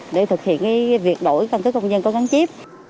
để thực hiện việc đổi căn cứ công dân có gán chip